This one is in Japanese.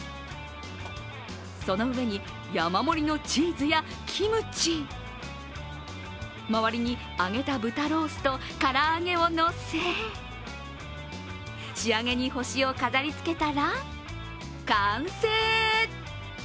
その上に山盛りのチーズやキムチ、周りに揚げた豚ロースと唐揚げをのせ仕上げに星を飾りつけたら、完成。